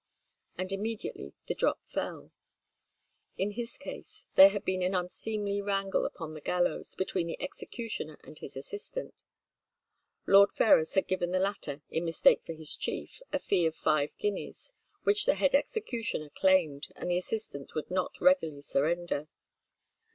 and immediately the drop fell. In his case there had been an unseemly wrangle upon the gallows between the executioner and his assistant. Lord Ferrers had given the latter, in mistake for his chief, a fee of five guineas, which the head executioner claimed, and the assistant would not readily surrender.